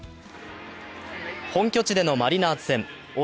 本拠地でのマリナーズ戦。